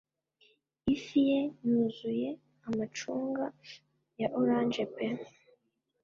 ifi ye yuzuye amacunga ya orange pe